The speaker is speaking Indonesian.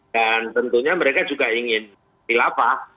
dan tentunya mereka juga ingin dilapah